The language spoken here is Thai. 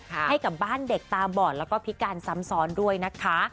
ให้กับบ้านเด็กตาบอดแล้วก็พิการซ้ำซ้อนด้วยนะคะ